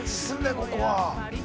ここは。